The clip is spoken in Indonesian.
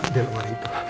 di luar itu